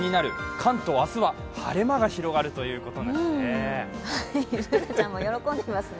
関東、明日は晴れ間が広がるということですね。